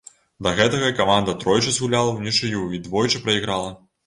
Да гэтага каманда тройчы згуляла ўнічыю і двойчы прайграла.